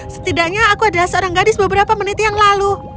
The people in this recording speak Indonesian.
setidaknya aku adalah seorang gadis beberapa menit yang lalu